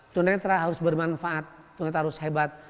tuna netra harus bermanfaat tuna netra harus hebat